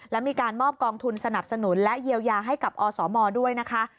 และมีการมอบกองทุนสนับสนุนและเยียวยาให้กับอสมด้วยนะคะ